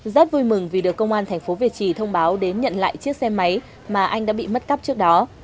rất vui mừng vì được công an thành phố việt trì thông báo đến nhận lại chiếc xe máy mà anh đã bị mất cắp trước đó